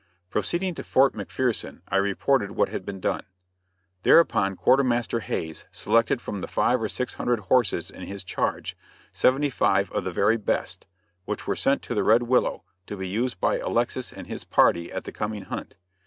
Proceeding to Fort McPherson I reported what had been done. Thereupon Quartermaster Hays selected from the five or six hundred horses in his charge, seventy five of the very best, which were sent to the Red Willow, to be used by Alexis and his party at the coming hunt.